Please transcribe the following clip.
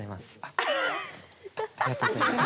ありがとうございます。